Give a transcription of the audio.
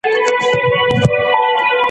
په دې ښار کي د وګړو « پردی غم نیمی اختر دی» `